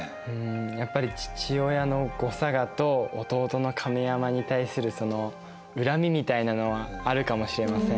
やっぱり父親の後嵯峨と弟の亀山に対するその恨みみたいなのはあるかもしれません。